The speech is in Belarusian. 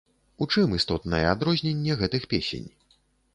У чым істотнае адрозненне гэтых песень?